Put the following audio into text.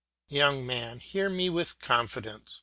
Young man, hear me with confidence.